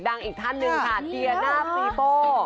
ดังเอกท่านหนึ่งค่ะเดียน่าซีโบ